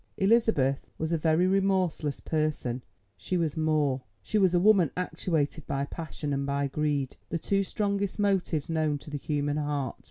Elizabeth was a very remorseless person; she was more—she was a woman actuated by passion and by greed: the two strongest motives known to the human heart.